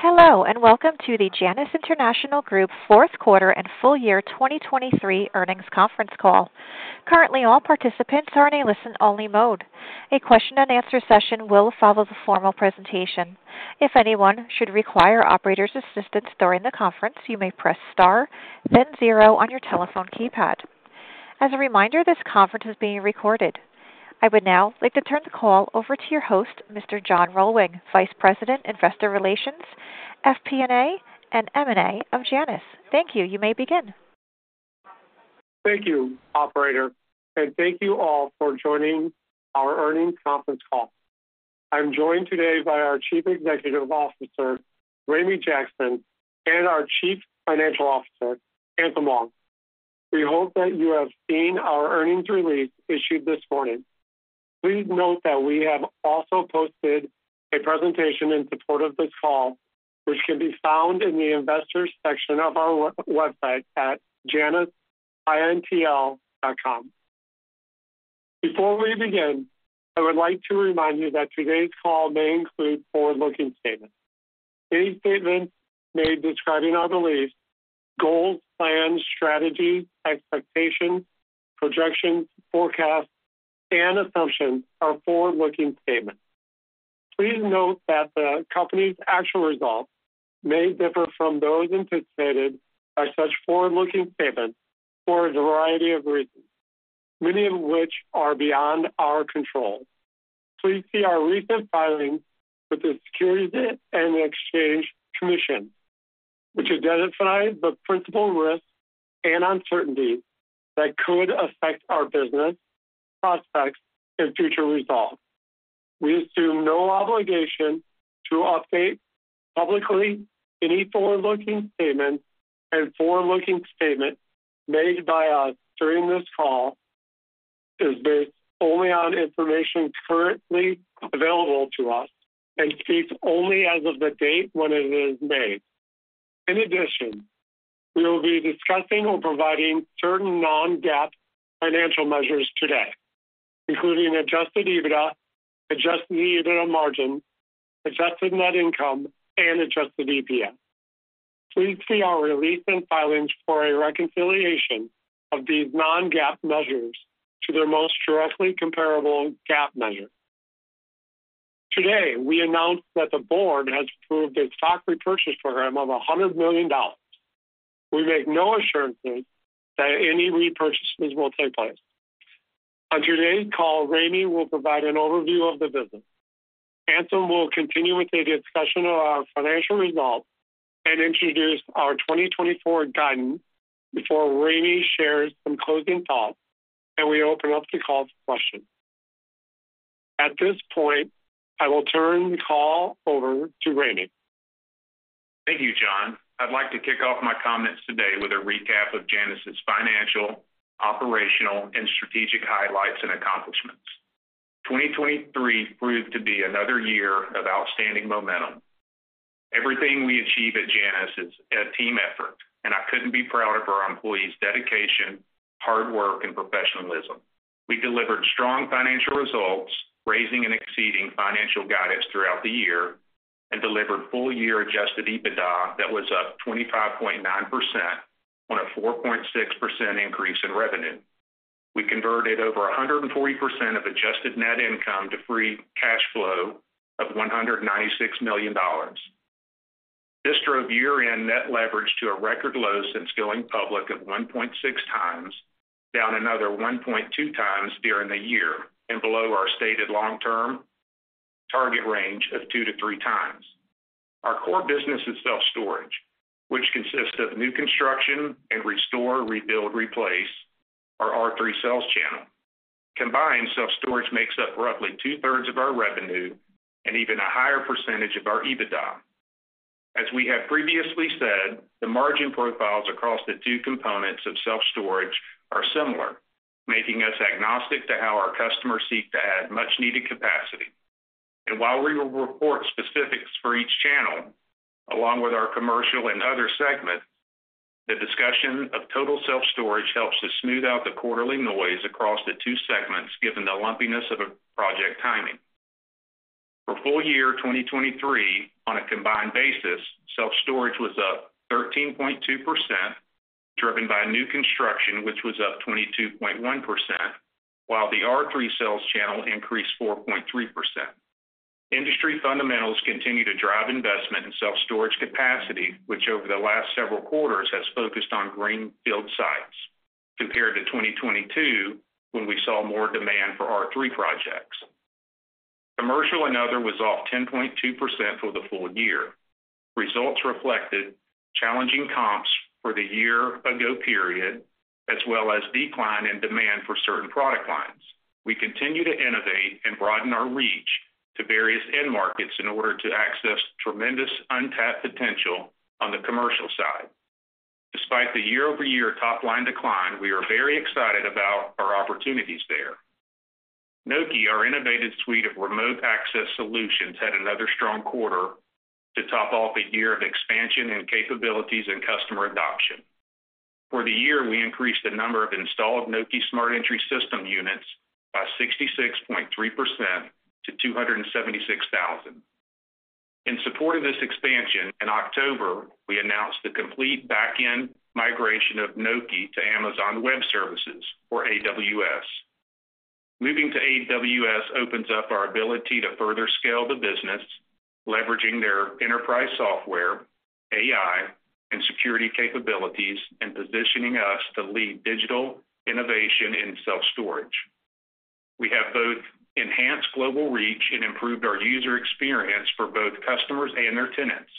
Hello, and welcome to the Janus International Group fourth quarter and full year 2023 earnings conference call. Currently, all participants are in a listen-only mode. A question-and-answer session will follow the formal presentation. If anyone should require operator's assistance during the conference, you may press star then zero on your telephone keypad. As a reminder, this conference is being recorded. I would now like to turn the call over to your host, Mr. John Rohlwing, Vice President, Investor Relations, FP&A, and M&A of Janus. Thank you. You may begin. Thank you, operator, and thank you all for joining our earnings conference call. I'm joined today by our Chief Executive Officer, Ramey Jackson, and our Chief Financial Officer, Anselm Wong. We hope that you have seen our earnings release issued this morning. Please note that we have also posted a presentation in support of this call, which can be found in the Investors section of our website at janusintl.com. Before we begin, I would like to remind you that today's call may include forward-looking statements. Any statements made describing our beliefs, goals, plans, strategies, expectations, projections, forecasts, and assumptions are forward-looking statements. Please note that the company's actual results may differ from those anticipated by such forward-looking statements for a variety of reasons, many of which are beyond our control. Please see our recent filings with the Securities and Exchange Commission, which identify the principal risks and uncertainties that could affect our business, prospects, and future results. We assume no obligation to update publicly any forward-looking statements, and forward-looking statements made by us during this call is based only on information currently available to us and speaks only as of the date when it is made. In addition, we will be discussing or providing certain non-GAAP financial measures today, including Adjusted EBITDA, Adjusted EBITDA Margin, Adjusted Net Income, and Adjusted EPS. Please see our release and filings for a reconciliation of these non-GAAP measures to their most directly comparable GAAP measure. Today, we announced that the board has approved a stock repurchase program of $100 million. We make no assurances that any repurchases will take place. On today's call, Ramey will provide an overview of the business. Anselm will continue with a discussion of our financial results and introduce our 2024 guidance before Ramey shares some closing thoughts, and we open up the call to questions. At this point, I will turn the call over to Ramey. Thank you, John. I'd like to kick off my comments today with a recap of Janus' financial, operational, and strategic highlights and accomplishments. 2023 proved to be another year of outstanding momentum. Everything we achieve at Janus is a team effort, and I couldn't be prouder of our employees' dedication, hard work, and professionalism. We delivered strong financial results, raising and exceeding financial guidance throughout the year, and delivered full-year adjusted EBITDA that was up 25.9% on a 4.6% increase in revenue. We converted over 140% of adjusted net income to free cash flow of $196 million. This drove year-end net leverage to a record low since going public at 1.6 times, down another 1.2 times during the year, and below our stated long-term target range of 2-3 times. Our core business is self-storage, which consists of new construction and restore, rebuild, replace, our R3 sales channel. Combined, self-storage makes up roughly two-thirds of our revenue and even a higher percentage of our EBITDA. As we have previously said, the margin profiles across the two components of self-storage are similar, making us agnostic to how our customers seek to add much-needed capacity. While we will report specifics for each channel, along with our commercial and other segments, the discussion of total self-storage helps to smooth out the quarterly noise across the two segments, given the lumpiness of a project timing. For full year 2023, on a combined basis, self-storage was up 13.2%, driven by new construction, which was up 22.1%, while the R3 sales channel increased 4.3%. Industry fundamentals continue to drive investment in self-storage capacity, which over the last several quarters has focused on greenfield sites, compared to 2022, when we saw more demand for R3 projects. Commercial and other was off 10.2% for the full year. Results reflected challenging comps for the year ago period, as well as decline in demand for certain product lines. We continue to innovate and broaden our reach to various end markets in order to access tremendous untapped potential on the commercial side. Despite the year-over-year top-line decline, we are very excited about our opportunities there. Nokē, our innovative suite of remote access solutions, had another strong quarter to top off a year of expansion and capabilities and customer adoption....For the year, we increased the number of installed Nokē Smart Entry System units by 66.3% to 276,000. In support of this expansion, in October, we announced the complete back-end migration of Nokē to Amazon Web Services, or AWS. Moving to AWS opens up our ability to further scale the business, leveraging their enterprise software, AI, and security capabilities, and positioning us to lead digital innovation in self-storage. We have both enhanced global reach and improved our user experience for both customers and their tenants.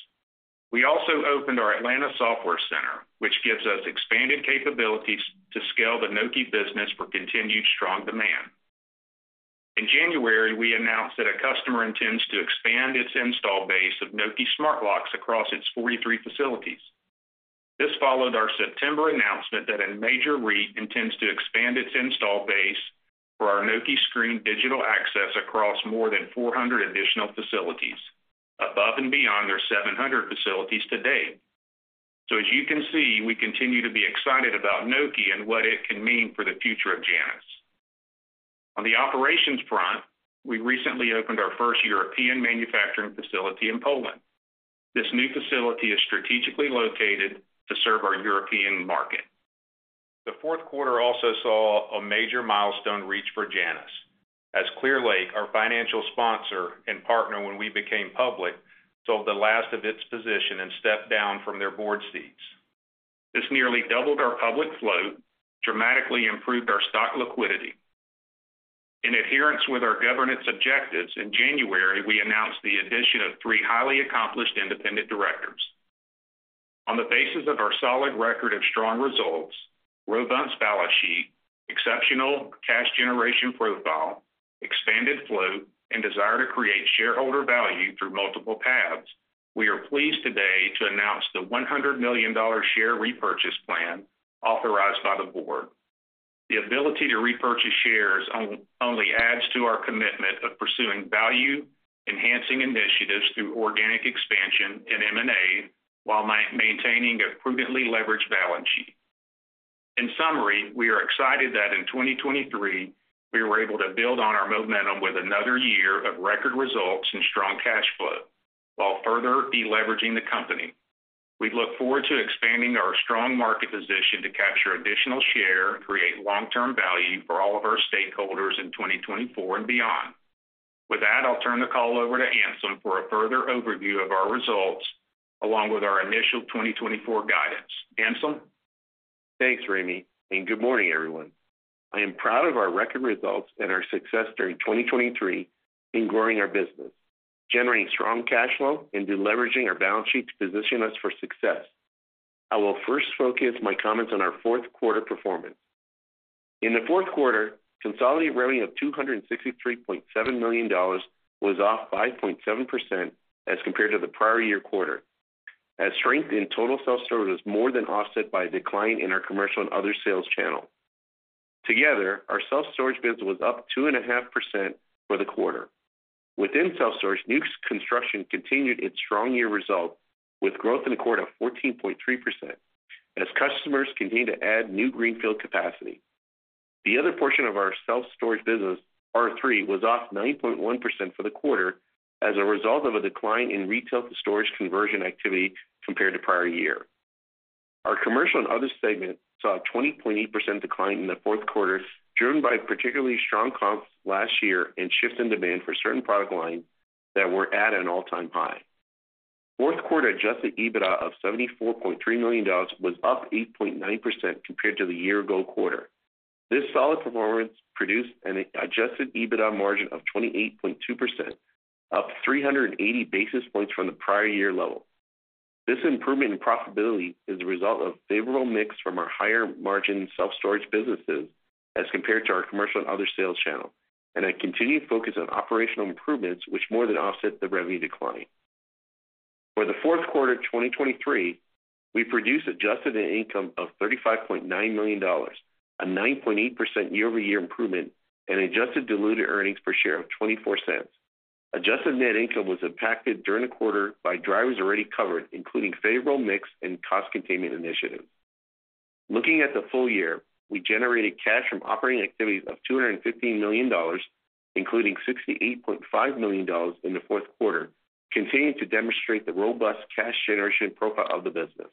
We also opened our Atlanta Software Center, which gives us expanded capabilities to scale the Nokē business for continued strong demand. In January, we announced that a customer intends to expand its install base of Nokē smart locks across its 43 facilities. This followed our September announcement that a major REIT intends to expand its install base for our Nokē Screen digital access across more than 400 additional facilities, above and beyond their 700 facilities to date. As you can see, we continue to be excited about Nokē and what it can mean for the future of Janus. On the operations front, we recently opened our first European manufacturing facility in Poland. This new facility is strategically located to serve our European market. The fourth quarter also saw a major milestone reached for Janus, as Clearlake, our financial sponsor and partner when we became public, sold the last of its position and stepped down from their board seats. This nearly doubled our public float, dramatically improved our stock liquidity. In adherence with our governance objectives, in January, we announced the addition of three highly accomplished independent directors. On the basis of our solid record of strong results, robust balance sheet, exceptional cash generation profile, expanded float, and desire to create shareholder value through multiple paths, we are pleased today to announce the $100 million share repurchase plan authorized by the board. The ability to repurchase shares only adds to our commitment of pursuing value, enhancing initiatives through organic expansion and M&A, while maintaining a prudently leveraged balance sheet. In summary, we are excited that in 2023, we were able to build on our momentum with another year of record results and strong cash flow, while further deleveraging the company. We look forward to expanding our strong market position to capture additional share and create long-term value for all of our stakeholders in 2024 and beyond. With that, I'll turn the call over to Anselm for a further overview of our results, along with our initial 2024 guidance. Anselm? Thanks, Ramey, and good morning, everyone. I am proud of our record results and our success during 2023 in growing our business, generating strong cash flow, and deleveraging our balance sheet to position us for success. I will first focus my comments on our fourth quarter performance. In the fourth quarter, consolidated revenue of $263.7 million was off by 0.7% as compared to the prior year quarter, as strength in total self-storage was more than offset by a decline in our commercial and other sales channel. Together, our self-storage business was up 2.5% for the quarter. Within self-storage, new construction continued its strong year result, with growth in the quarter of 14.3%, as customers continued to add new greenfield capacity. The other portion of our self-storage business, R3, was off 9.1% for the quarter as a result of a decline in retail to storage conversion activity compared to prior year. Our commercial and other segment saw a 20.8% decline in the fourth quarter, driven by particularly strong comps last year and shift in demand for certain product lines that were at an all-time high. Fourth quarter adjusted EBITDA of $74.3 million was up 8.9% compared to the year ago quarter. This solid performance produced an adjusted EBITDA margin of 28.2%, up 380 basis points from the prior year level. This improvement in profitability is a result of favorable mix from our higher margin self-storage businesses as compared to our commercial and other sales channels, and a continued focus on operational improvements, which more than offset the revenue decline. For the fourth quarter, 2023, we produced adjusted net income of $35.9 million, a 9.8% year-over-year improvement, and adjusted diluted earnings per share of $0.24. Adjusted net income was impacted during the quarter by drivers already covered, including favorable mix and cost containment initiatives. Looking at the full year, we generated cash from operating activities of $215 million, including $68.5 million in the fourth quarter, continuing to demonstrate the robust cash generation profile of the business.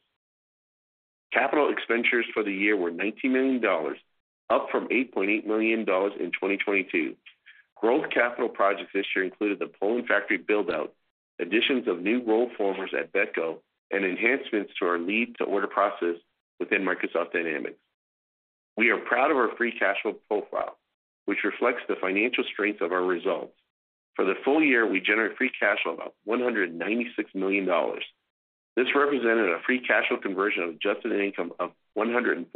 Capital expenditures for the year were $19 million, up from $8.8 million in 2022. Growth capital projects this year included the Poland factory build-out, additions of new roll formers at Betco, and enhancements to our lead to order process within Microsoft Dynamics. We are proud of our free cash flow profile, which reflects the financial strength of our results. For the full year, we generated free cash flow of $196 million. This represented a free cash flow conversion of adjusted income of 142%.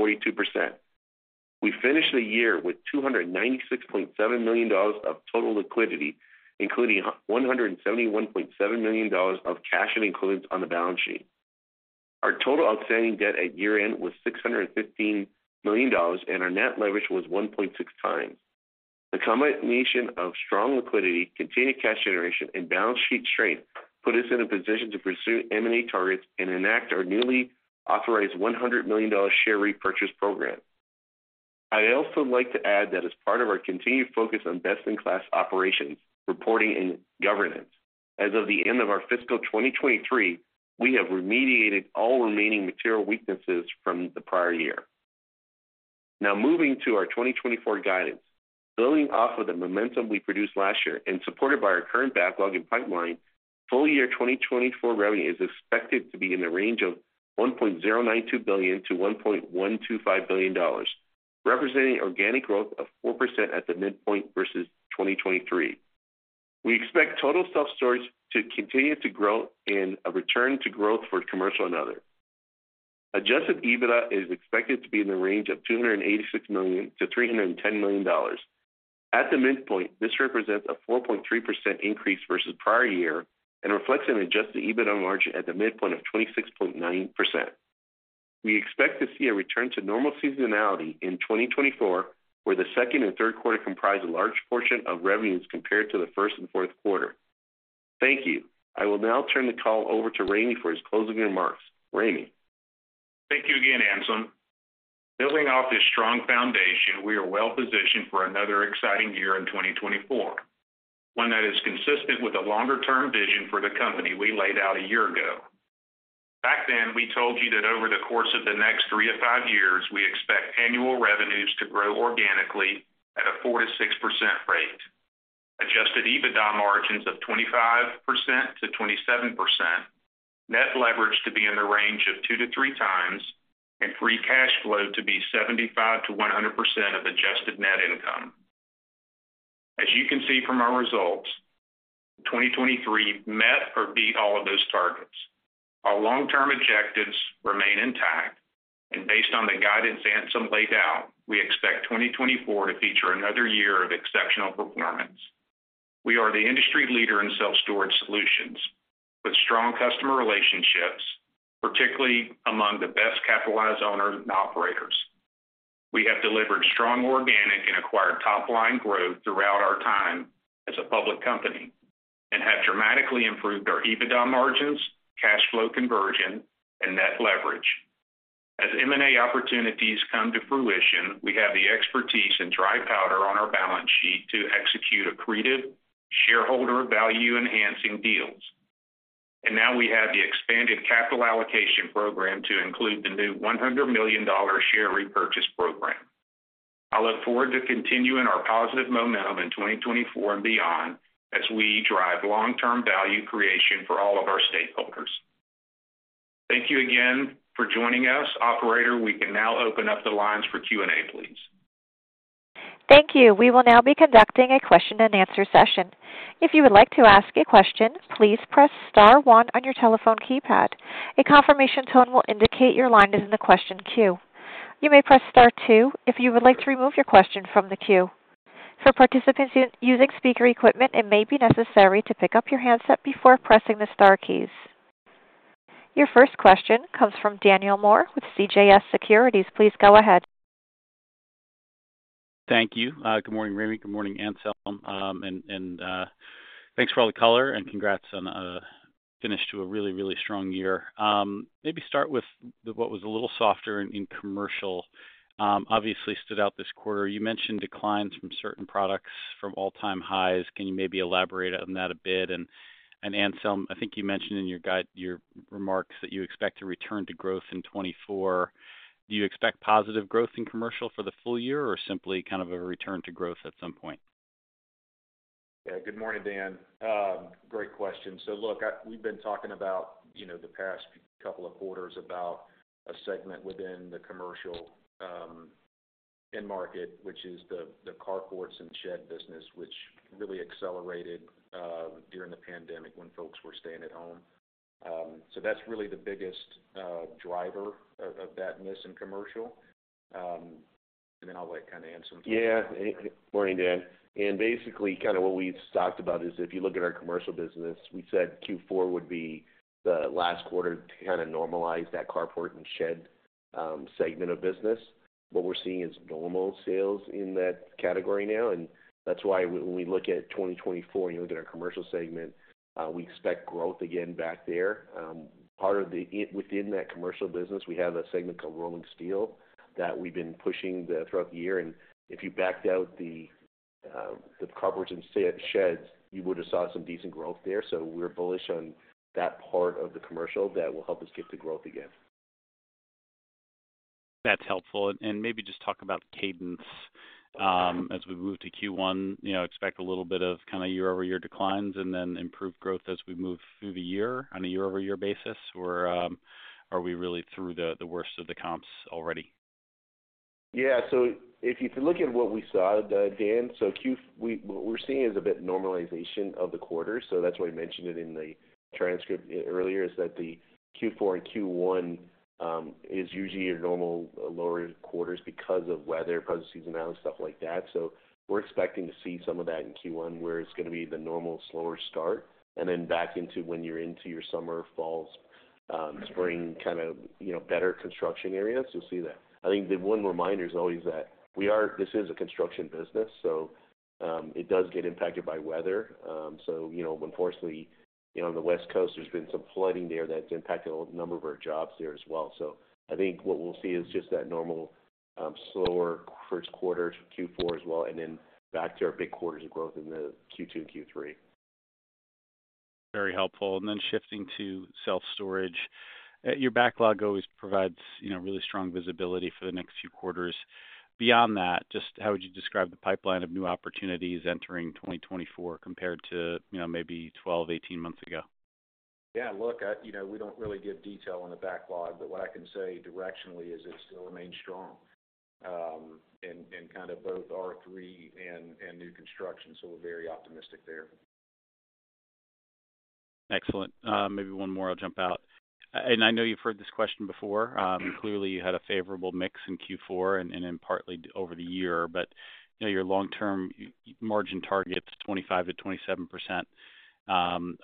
We finished the year with $296.7 million of total liquidity, including $171.7 million of cash and equivalents on the balance sheet. Our total outstanding debt at year-end was $615 million, and our net leverage was 1.6 times. The combination of strong liquidity, continued cash generation, and balance sheet strength put us in a position to pursue M&A targets and enact our newly authorized $100 million share repurchase program. I'd also like to add that as part of our continued focus on best-in-class operations, reporting, and governance, as of the end of our fiscal 2023, we have remediated all remaining material weaknesses from the prior year. Now moving to our 2024 guidance. Building off of the momentum we produced last year and supported by our current backlog and pipeline, full-year 2024 revenue is expected to be in the range of $1.092 billion-$1.125 billion, representing organic growth of 4% at the midpoint versus 2023. We expect total self-storage to continue to grow and a return to growth for commercial and other. Adjusted EBITDA is expected to be in the range of $286 million-$310 million. At the midpoint, this represents a 4.3% increase versus prior year and reflects an adjusted EBITDA margin at the midpoint of 26.9%. We expect to see a return to normal seasonality in 2024, where the second and third quarter comprise a large portion of revenues compared to the first and fourth quarter. Thank you. I will now turn the call over to Ramey for his closing remarks. Ramey? Thank you again, Anselm. Building off this strong foundation, we are well positioned for another exciting year in 2024, one that is consistent with the longer-term vision for the company we laid out a year ago. Back then, we told you that over the course of the next 3-5 years, we expect annual revenues to grow organically at a 4%-6% rate, adjusted EBITDA margins of 25%-27%, net leverage to be in the range of 2-3 times, and free cash flow to be 75%-100% of adjusted net income. As you can see from our results, 2023 met or beat all of those targets. Our long-term objectives remain intact, and based on the guidance Anselm laid out, we expect 2024 to feature another year of exceptional performance. We are the industry leader in self-storage solutions with strong customer relationships, particularly among the best capitalized owners and operators. We have delivered strong organic and acquired top-line growth throughout our time as a public company and have dramatically improved our EBITDA margins, cash flow conversion, and net leverage. As M&A opportunities come to fruition, we have the expertise and dry powder on our balance sheet to execute accretive, shareholder value-enhancing deals. And now we have the expanded capital allocation program to include the new $100 million share repurchase program. I look forward to continuing our positive momentum in 2024 and beyond as we drive long-term value creation for all of our stakeholders. Thank you again for joining us. Operator, we can now open up the lines for Q&A, please. Thank you. We will now be conducting a question-and-answer session. If you would like to ask a question, please press star one on your telephone keypad. A confirmation tone will indicate your line is in the question queue. You may press star two if you would like to remove your question from the queue. For participants using speaker equipment, it may be necessary to pick up your handset before pressing the star keys. Your first question comes from Daniel Moore with CJS Securities. Please go ahead. Thank you. Good morning, Ramey. Good morning, Anselm. And thanks for all the color, and congrats on finish to a really, really strong year. Maybe start with the, what was a little softer in commercial, obviously stood out this quarter. You mentioned declines from certain products from all-time highs. Can you maybe elaborate on that a bit? And Anselm, I think you mentioned in your guide, your remarks that you expect to return to growth in 2024. Do you expect positive growth in commercial for the full year, or simply kind of a return to growth at some point? Yeah, good morning, Dan. Great question. So look, we've been talking about, you know, the past couple of quarters about a segment within the commercial end market, which is the carports and shed business, which really accelerated during the pandemic when folks were staying at home. So that's really the biggest driver of that miss in commercial. And then I'll let kind of Anselm- Yeah. Morning, Dan. And basically, kind of what we've talked about is if you look at our commercial business, we said Q4 would be the last quarter to kind of normalize that carport and shed segment of business. What we're seeing is normal sales in that category now, and that's why when we look at 2024, you know, within our commercial segment, we expect growth again back there. Part of the within that commercial business, we have a segment called Rolling Steel that we've been pushing throughout the year, and if you backed out the carports and shed, sheds, you would have saw some decent growth there. So we're bullish on that part of the commercial that will help us get to growth again. That's helpful. And maybe just talk about cadence as we move to Q1. You know, expect a little bit of kind of year-over-year declines and then improved growth as we move through the year on a year-over-year basis, or are we really through the worst of the comps already? Yeah. So if you look at what we saw, Dan, so we, what we're seeing is a bit normalization of the quarter, so that's why I mentioned it in the transcript earlier, is that the Q4 and Q1 is usually your normal lower quarters because of weather, because of seasonality, stuff like that. So we're expecting to see some of that in Q1, where it's gonna be the normal slower start, and then back into when you're into your summer, falls, spring, kind of, you know, better construction areas, you'll see that. I think the one reminder is always that we are this is a construction business, so it does get impacted by weather. So, you know, unfortunately, you know, on the West Coast, there's been some flooding there that's impacted a number of our jobs there as well. So I think what we'll see is just that normal, slower first quarter, Q4 as well, and then back to our big quarters of growth in the Q2 and Q3. Very helpful. And then shifting to self-storage. Your backlog always provides, you know, really strong visibility for the next few quarters. Beyond that, just how would you describe the pipeline of new opportunities entering 2024 compared to, you know, maybe 12, 18 months ago? Yeah, look, you know, we don't really give detail on the backlog, but what I can say directionally is it still remains strong, in kind of both R3 and new construction, so we're very optimistic there. Excellent. Maybe one more, I'll jump out. I know you've heard this question before. Clearly, you had a favorable mix in Q4 and then partly over the year. You know, your long-term margin target is 25%-27%,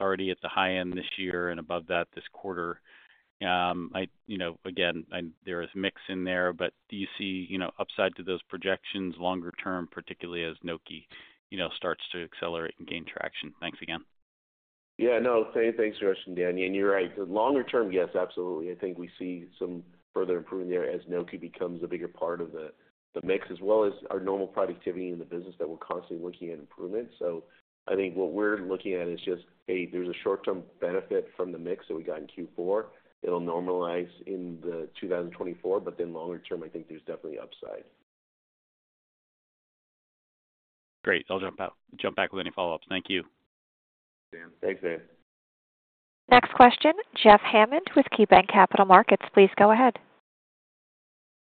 already at the high end this year and above that this quarter. You know, again, there is mix in there, but do you see, you know, upside to those projections longer term, particularly as Nokē, you know, starts to accelerate and gain traction? Thanks again. Yeah, no, thanks for your question, Dan. And you're right. The longer term, yes, absolutely. I think we see some further improvement there as Nokē becomes a bigger part of the, the mix, as well as our normal productivity in the business that we're constantly looking at improvement. So I think what we're looking at is just, A, there's a short-term benefit from the mix that we got in Q4. It'll normalize in the 2024, but then longer term, I think there's definitely upside. Great. I'll jump back with any follow-ups. Thank you. Thanks, Dan. Next question, Jeff Hammond with KeyBanc Capital Markets. Please go ahead.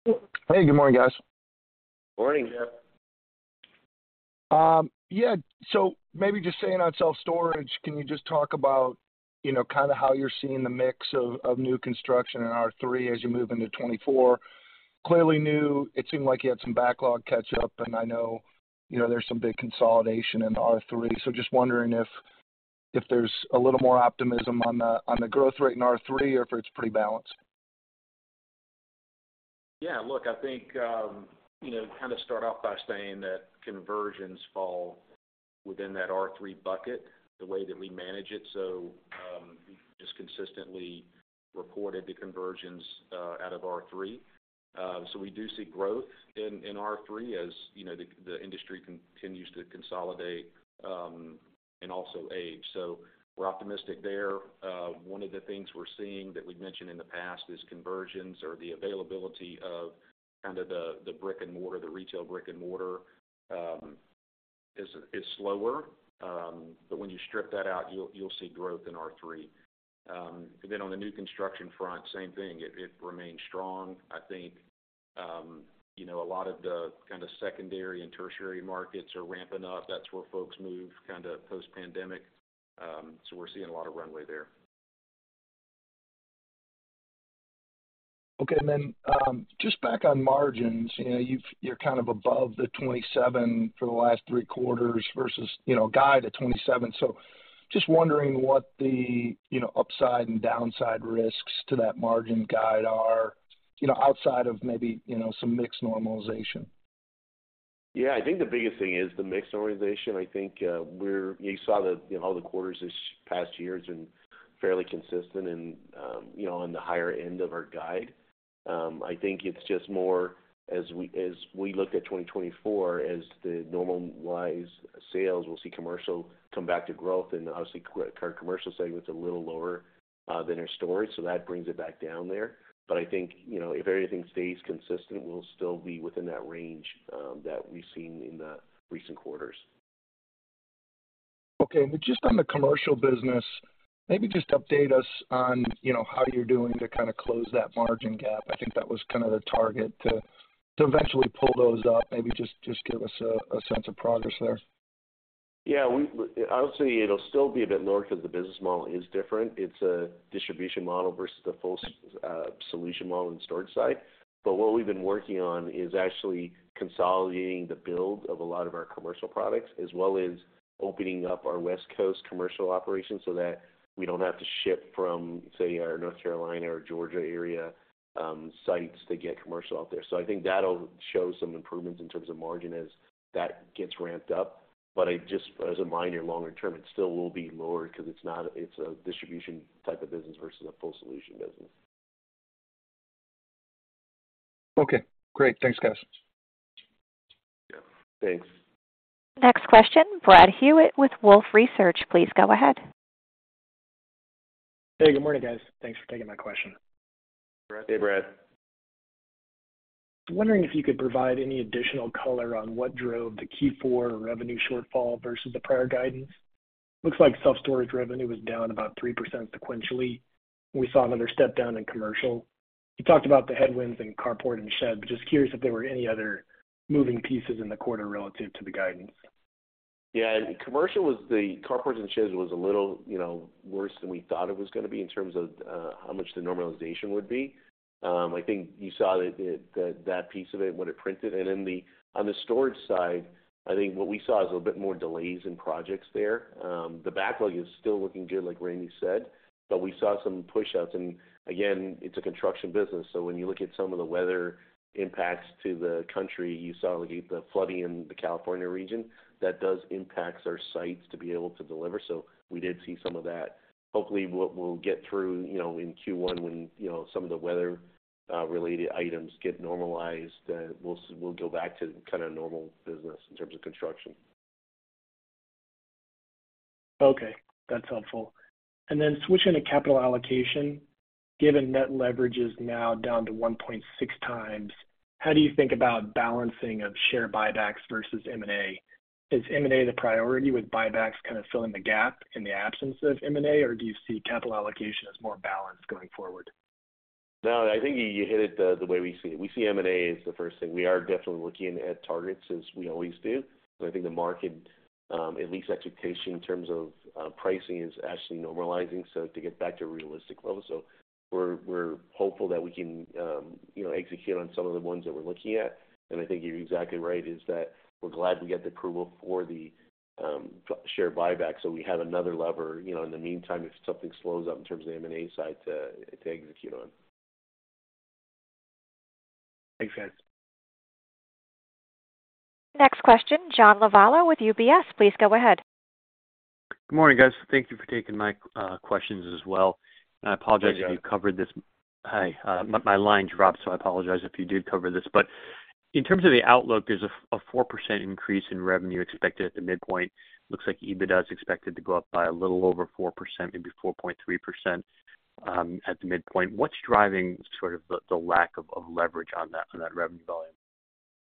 Hey, good morning, guys. Morning, Jeff. Yeah, so maybe just staying on self-storage, can you just talk about, you know, kind of how you're seeing the mix of new construction in R3 as you move into 2024? Clearly, it seemed like you had some backlog catch up, and I know, you know, there's some big consolidation in R3. So just wondering if there's a little more optimism on the growth rate in R3 or if it's pretty balanced. Yeah, look, I think, you know, kind of start off by saying that conversions fall within that R3 bucket, the way that we manage it. So, we've just consistently reported the conversions out of R3. So we do see growth in R3, as you know, the industry continues to consolidate and also age. So we're optimistic there. One of the things we're seeing that we've mentioned in the past is conversions or the availability of kind of the brick-and-mortar, the retail brick-and-mortar, is slower. But when you strip that out, you'll see growth in R3. And then on the new construction front, same thing, it remains strong. I think, you know, a lot of the kind of secondary and tertiary markets are ramping up. That's where folks move, kind of post-pandemic. We're seeing a lot of runway there. Okay. And then, just back on margins, you know, you're kind of above the 27% for the last three quarters versus, you know, guide at 27%. So just wondering what the, you know, upside and downside risks to that margin guide are, you know, outside of maybe, you know, some mix normalization. Yeah, I think the biggest thing is the mix normalization. I think, we're... You saw the, you know, all the quarters this past year has been fairly consistent and, you know, on the higher end of our guide. I think it's just more as we look at 2024, as the normalized sales, we'll see commercial come back to growth, and obviously, our commercial segment is a little lower than our storage, so that brings it back down there. But I think, you know, if anything stays consistent, we'll still be within that range that we've seen in the recent quarters. Okay. And just on the commercial business, maybe just update us on, you know, how you're doing to kind of close that margin gap. I think that was kind of the target to eventually pull those up. Maybe just give us a sense of progress there. Yeah, I would say it'll still be a bit lower because the business model is different. It's a distribution model versus the full solution model in storage side. But what we've been working on is actually consolidating the build of a lot of our commercial products, as well as opening up our West Coast commercial operations so that we don't have to ship from, say, our North Carolina or Georgia area, sites to get commercial out there. So I think that'll show some improvements in terms of margin as that gets ramped up. But I just as a minor, longer term, it still will be lower because it's not, it's a distribution type of business versus a full solution business. Okay, great. Thanks, guys. Thanks. Next question, Brad Hewitt with Wolfe Research. Please go ahead. Hey, good morning, guys. Thanks for taking my question. Hey, Brad. I'm wondering if you could provide any additional color on what drove the Q4 revenue shortfall versus the prior guidance. Looks like self-storage revenue was down about 3% sequentially. We saw another step down in commercial. You talked about the headwinds in carport and shed, but just curious if there were any other moving pieces in the quarter relative to the guidance. Yeah, commercial was the carports and sheds was a little, you know, worse than we thought it was gonna be in terms of how much the normalization would be. I think you saw that, that piece of it when it printed. And then on the storage side, I think what we saw is a little bit more delays in projects there. The backlog is still looking good, like Ramey said, but we saw some pushouts. And again, it's a construction business, so when you look at some of the weather impacts to the country, you saw the flooding in the California region, that does impacts our sites to be able to deliver. So we did see some of that. Hopefully, we'll get through, you know, in Q1 when, you know, some of the weather-related items get normalized. We'll go back to kind of normal business in terms of construction. Okay, that's helpful. And then switching to capital allocation, given net leverage is now down to 1.6 times, how do you think about balancing of share buybacks versus M&A? Is M&A the priority, with buybacks kind of filling the gap in the absence of M&A, or do you see capital allocation as more balanced going forward? No, I think you hit it the way we see it. We see M&A as the first thing. We are definitely looking at targets, as we always do. So I think the market, at least expectation in terms of, pricing, is actually normalizing, so to get back to a realistic level. So we're hopeful that we can, you know, execute on some of the ones that we're looking at. And I think you're exactly right, is that we're glad we got the approval for the share buyback, so we have another lever, you know, in the meantime, if something slows up in terms of M&A side to execute on. Thanks, guys. Next question, John Lavallo with UBS. Please go ahead. Good morning, guys. Thank you for taking my questions as well. I apologize if you covered this. Hey, John. Hi. My line dropped, so I apologize if you did cover this, but in terms of the outlook, there's a 4% increase in revenue expected at the midpoint. Looks like EBITDA is expected to go up by a little over 4%, maybe 4.3%, at the midpoint. What's driving sort of the lack of leverage on that revenue volume?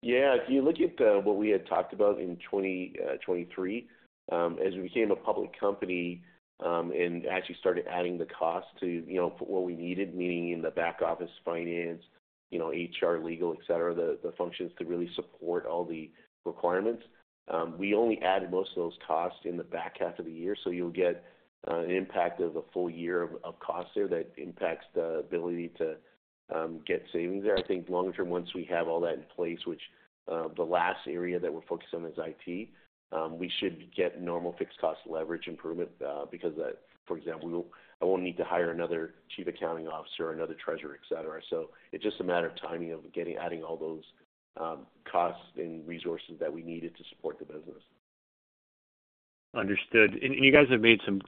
Yeah. If you look at what we had talked about in 2023, as we became a public company, and actually started adding the cost to, you know, for what we needed, meaning in the back office, finance, you know, HR, legal, et cetera, the functions to really support all the requirements. We only added most of those costs in the back half of the year, so you'll get an impact of a full year of costs there that impacts the ability to get savings there. I think long term, once we have all that in place, which the last area that we're focused on is IT, we should get normal fixed cost leverage improvement, because, for example, we won't, I won't need to hire another chief accounting officer or another treasurer, et cetera. So it's just a matter of timing, of getting, adding all those, costs and resources that we needed to support the business. Understood. And you guys have made some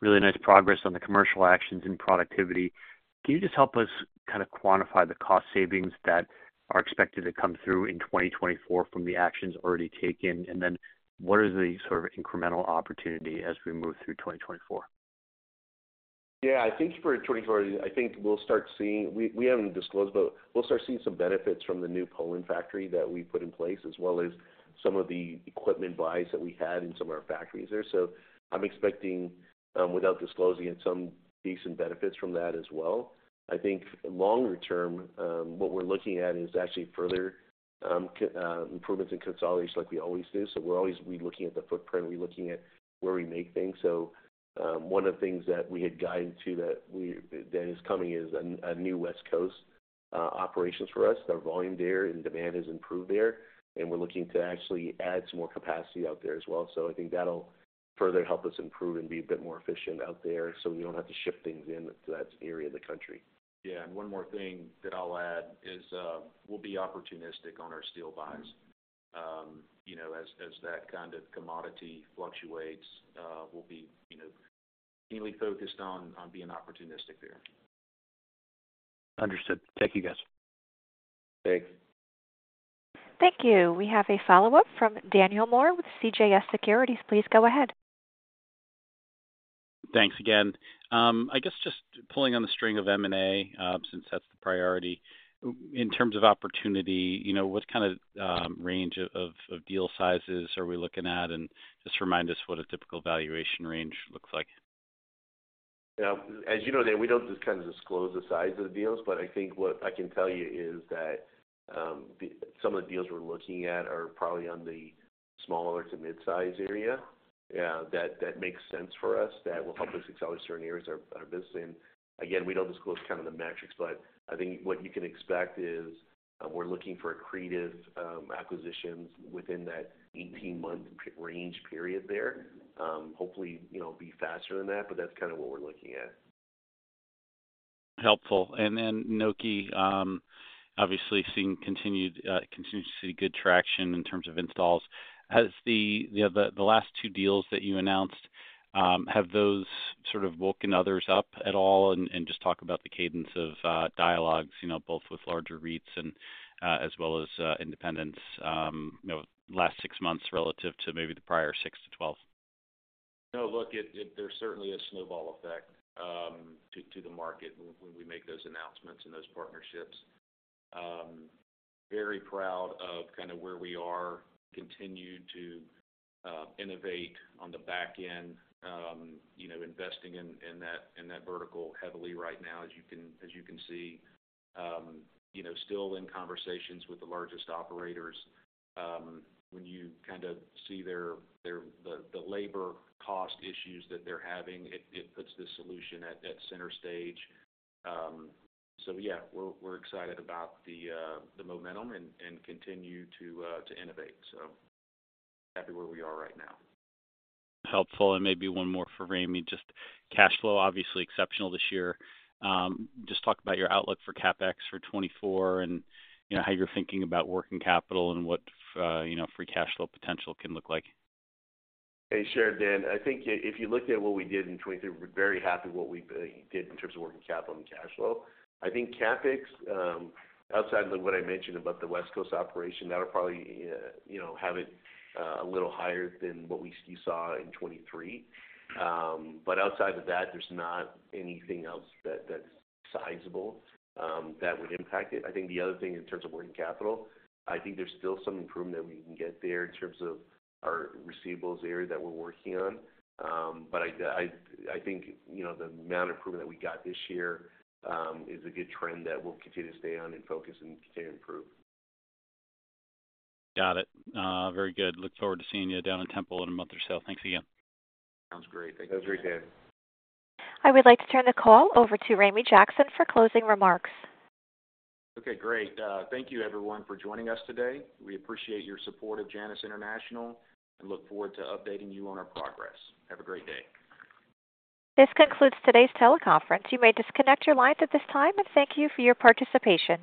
really nice progress on the commercial actions and productivity. Can you just help us kind of quantify the cost savings that are expected to come through in 2024 from the actions already taken? And then what is the sort of incremental opportunity as we move through 2024? Yeah, I think for 2024, I think we'll start seeing... We, we haven't disclosed, but we'll start seeing some benefits from the new Poland factory that we put in place, as well as some of the equipment buys that we had in some of our factories there. So I'm expecting, without disclosing it, some decent benefits from that as well. I think longer term, what we're looking at is actually further improvements in consolidation, like we always do. So we're always relooking at the footprint, relooking at where we make things. So, one of the things that we had guided to that we, that is coming, is a new West Coast operations for us. The volume there and demand has improved there, and we're looking to actually add some more capacity out there as well. So I think that'll further help us improve and be a bit more efficient out there, so we don't have to ship things in to that area of the country. Yeah, and one more thing that I'll add is, we'll be opportunistic on our steel buys. You know, as that kind of commodity fluctuates, we'll be, you know, mainly focused on being opportunistic there. Understood. Thank you, guys. Thanks. Thank you. We have a follow-up from Daniel Moore with CJS Securities. Please go ahead. Thanks again. I guess just pulling on the string of M&A, since that's the priority. In terms of opportunity, you know, what kind of range of deal sizes are we looking at? And just remind us what a typical valuation range looks like. Yeah. As you know, Dan, we don't just kind of disclose the size of the deals, but I think what I can tell you is that some of the deals we're looking at are probably on the smaller to mid-size area. Yeah, that makes sense for us, that will help us accelerate certain areas of our business. And again, we don't disclose kind of the metrics, but I think what you can expect is, we're looking for accretive acquisitions within that 18-month range period there. Hopefully, you know, be faster than that, but that's kind of what we're looking at. Helpful. And then Nokē, obviously continue to see good traction in terms of installs. Has the last two deals that you announced, have those sort of woken others up at all? And just talk about the cadence of dialogues, you know, both with larger REITs and as well as independents, you know, last six months relative to maybe the prior six to twelve. No, look, there's certainly a snowball effect to the market when we make those announcements and those partnerships. Very proud of kind of where we are, continue to innovate on the back end, you know, investing in that vertical heavily right now, as you can see. You know, still in conversations with the largest operators. When you kind of see their labor cost issues that they're having, it puts this solution at center stage. So yeah, we're excited about the momentum and continue to innovate, so happy where we are right now. Helpful. And maybe one more for Ramey. Just cash flow, obviously exceptional this year. Just talk about your outlook for CapEx for 2024 and, you know, how you're thinking about working capital and what, you know, free cash flow potential can look like. Hey, sure, Dan. I think if you looked at what we did in 2023, we're very happy what we did in terms of working capital and cash flow. I think CapEx, outside of what I mentioned about the West Coast operation, that'll probably, you know, have it a little higher than what we saw in 2023. But outside of that, there's not anything else that's sizable that would impact it. I think the other thing in terms of working capital, I think there's still some improvement that we can get there in terms of our receivables area that we're working on. But I think, you know, the amount of improvement that we got this year is a good trend that we'll continue to stay on and focus and continue to improve. Got it. Very good. Look forward to seeing you down in Temple in a month or so. Thanks again. Sounds great. Thank you. Thanks, again. I would like to turn the call over to Ramey Jackson for closing remarks. Okay, great. Thank you everyone for joining us today. We appreciate your support of Janus International, and look forward to updating you on our progress. Have a great day. This concludes today's teleconference. You may disconnect your lines at this time, and thank you for your participation.